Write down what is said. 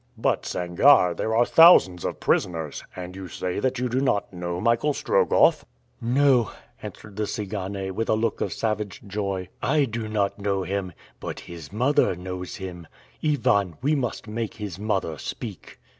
"But, Sangarre, there are thousands of prisoners; and you say that you do not know Michael Strogoff." "No," answered the Tsigane, with a look of savage joy, "I do not know him; but his mother knows him. Ivan, we must make his mother speak."